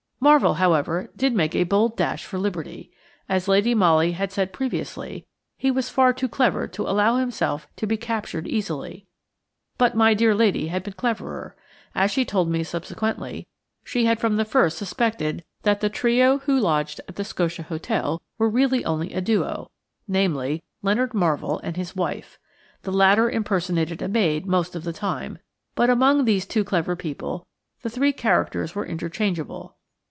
Marvell, however, did make a bold dash for liberty. As Lady Molly had said previously, he was far too clever to allow himself to be captured easily. But my dear lady had been cleverer. As she told me subsequently, she had from the first suspected that the trio who lodged at the Scotia Hotel were really only a duo–namely, Leonard Marvell and his wife. The latter impersonated a maid most of the time; but among these two clever people the three characters were interchangeable.